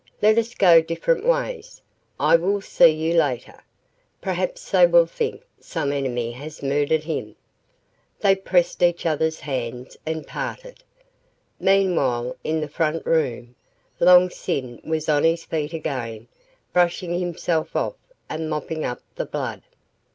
"Let us go different ways. I will see you later. Perhaps they will think some enemy has murdered him." They pressed each other's hands and parted. Meanwhile in the front room, Long Sin was on his feet again brushing himself off and mopping up the blood.